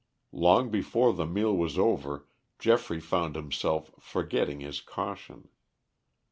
Long before the meal was over Geoffrey found himself forgetting his caution.